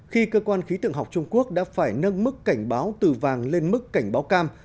khi cơ quan khí tượng học trung quốc đã phải nâng mức cảnh báo từ vàng lên mức cảnh báo cam